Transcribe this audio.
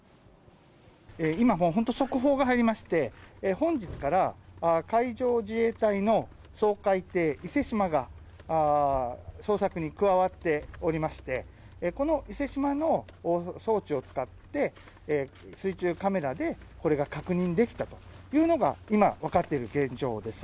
今、本当、速報が入りまして、本日から、海上自衛隊の掃海艇いせしまが、捜索に加わっておりまして、このいせしまの装置を使って、水中カメラで、これが確認できたというのが、今分かっている現状です。